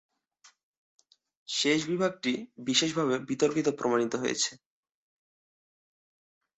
শেষ বিভাগটি বিশেষভাবে বিতর্কিত প্রমাণিত হয়েছে।